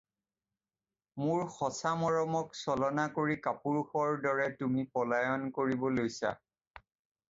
মোৰ সঁচা মৰমক ছলনা কৰি কাপুৰুষৰ দৰে তুমি পলায়ন কৰিব লৈছা।